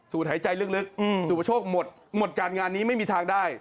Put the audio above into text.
สู่หายใจลึกสู่ประโยชน์หมดหมดการงานนี้ไม่มีทางได้